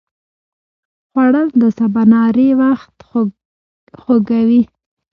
خوړل د سباناري وخت خوږوي